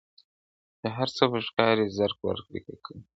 • چي هر څو به ښکاري زرک وکړې ککړي -